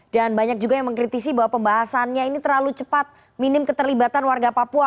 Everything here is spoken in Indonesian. dan banyak juga yang mengkritisi bahwa pembahasannya ini terlalu cepat minim keterlibatan warga papua